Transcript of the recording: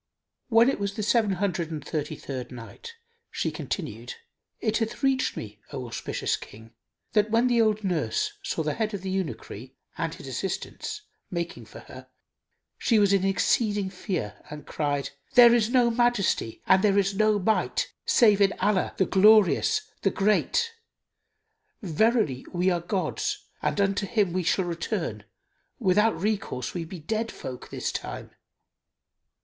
When it was the Seven Hundred and Thirty third Night, She continued, It hath reached me, O auspicious King, that when the old nurse saw the head of the eunuchry and his assistants making for her she was in exceeding fear and cried, "There is no Majesty and there is no Might save in Allah, the Glorious, the Great! Verily we are God's and unto him we shall return; without recourse we be dead folk this time."